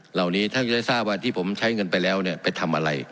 เหล่านี้ท่านจะได้ทราบว่าที่ผมใช้เงินไปแล้วเนี่ยไปทำอะไร